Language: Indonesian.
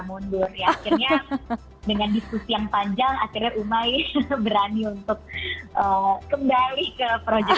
mundur ya akhirnya dengan diskusi yang panjang akhirnya umai berani untuk kembali ke project